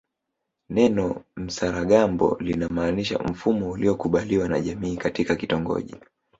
Neno msaragambo linamaanisha mfumo uliokubaliwa na jamii katika kitongoji